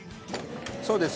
そうです